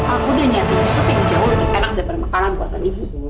aku udah nyetir sup yang jauh lebih penang daripada makanan buatan ibu